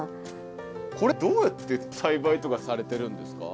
これどうやって栽培とかされてるんですか？